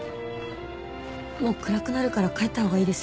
もう暗くなるから帰ったほうがいいですよ。